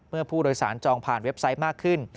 เมื่อผู้โดยสารจองผ่านเว็บไซต์มากขึ้น